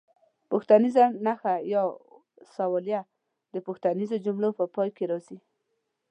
پوښتنیزه نښه یا سوالیه د پوښتنیزو جملو په پای کې راځي.